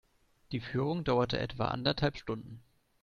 Die Führung dauert etwa anderthalb Stunden.